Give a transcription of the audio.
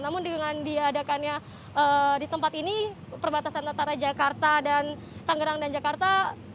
namun dengan diadakannya di tempat ini perbatasan antara jakarta dan tangerang dan jakarta